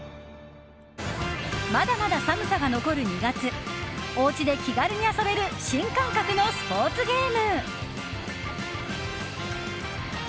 まだまだ寒さが残る２月おうちで気軽に遊べる新感覚のスポーツゲーム。